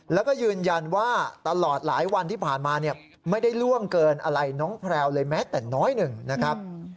แล้วก็ยืนยันว่าตลอดหลายวันที่ผ่านมาเนี่ยไม่ได้ล่วงเกินอะไรน้องแพลวเลยแม้แต่น้อยหนึ่งนะครับ